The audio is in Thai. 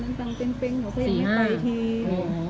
๔๕นั่นกลางเต้นเต้นของเต้นนี่ไปที